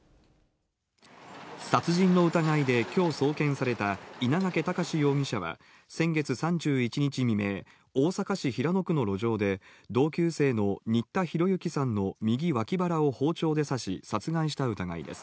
殺人の疑いできょう送検された稲掛躍容疑者は、先月３１日未明、大阪市平野区の路上で、同級生の新田浩之さんの右脇腹を包丁で刺し、殺害した疑いです。